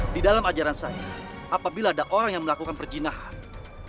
di dalam ajaran saya apabila ada orang yang melakukan perjinahan